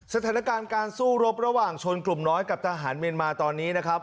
สถานการณ์การสู้รบระหว่างชนกลุ่มน้อยกับทหารเมียนมาตอนนี้นะครับ